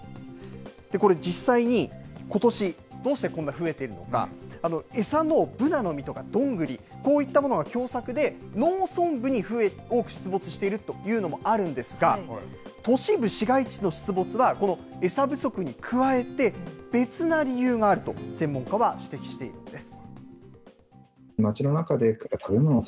これ、実際に、ことし、どうしてこんな増えているのか、餌のブナの実とかドングリ、こういったものが凶作で、農村部に増えて出没しているというのもあるんですが、都市部、市街地の出没は、このエサ不足に加えて、別な理由があると、専門家は指摘しているんです。